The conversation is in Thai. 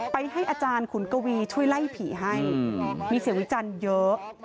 ให้อาจารย์ขุนกวีช่วยไล่ผีให้มีเสียงวิจารณ์เยอะ